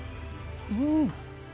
うん！